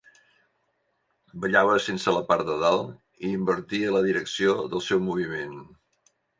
Ballava sense la part de dalt i invertia la direcció del seu moviment.